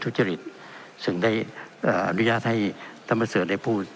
ทุรจริตซึ่งได้อนุญาตให้ท่านพระเศรษฐ์เลยพูด